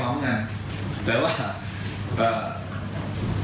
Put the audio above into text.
ตัวนักท่องเที่ยวอยู่ซึ่งไม่ได้มาสิ่งประวังงาน